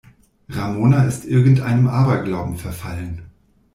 Ramona ist irgendeinem Aberglauben verfallen.